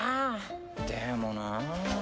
でもな。